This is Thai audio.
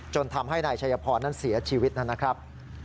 ทำให้นายชัยพรนั้นเสียชีวิตนะครับ